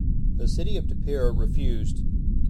The city of De Pere refused.